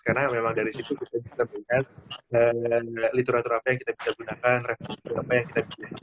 karena memang dari situ kita bisa mengingat literatur apa yang kita bisa gunakan referensi apa yang kita bisa jelajahi